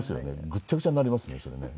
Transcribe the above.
ぐっちゃぐちゃになりますねそれね。